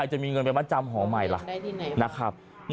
ใครจะมีเงินไปมัดจำห่อใหม่ละ